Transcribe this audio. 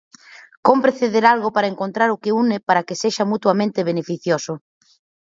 Cómpre ceder algo para encontrar o que une para que sexa mutuamente beneficioso.